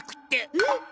えっ！？